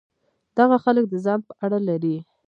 دغه خلک د ځان په اړه لري.